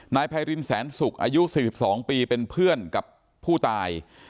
นายไพรินแสนสุกอายุ๔๒ปีเป็นเพื่อนกับผู้ตาย